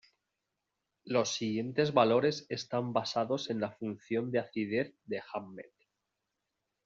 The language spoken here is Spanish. Los siguientes valores están basados en la función de acidez de Hammett.